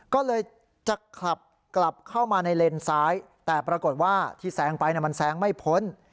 ก็เลยจะขับกลับเข้ามาในเลนซ้ายแต่ปรากฏว่าที่แซงไปมันแซงไม่พ้น